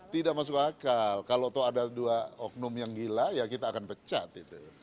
tidak masuk akal kalau tahu ada dua oknum yang gila ya kita akan pecat itu